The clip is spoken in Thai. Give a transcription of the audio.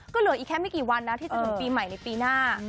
ก็เหลืออีกแค่ไม่กี่วันนะที่จะถึงปีใหม่ในปีหน้า